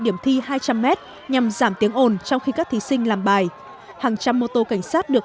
điểm thi hai trăm linh m nhằm giảm tiếng ồn trong khi các thí sinh làm bài hàng trăm mô tô cảnh sát được